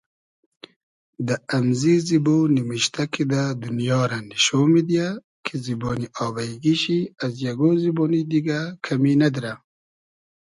دۂ امزی زیبۉ نیمیشتۂ کیدۂ دونیا رۂ نیشۉ میدیۂ کی زیبۉنی آبݷ گی شی از یئگۉ زیبۉنی دیگۂ کئمی نئدرۂ